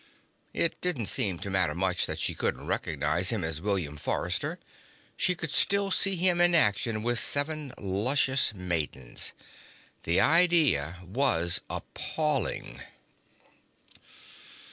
It didn't seem to matter much that she couldn't recognize him as William Forrester. She could still see him in action with the seven luscious maidens. The idea was appalling.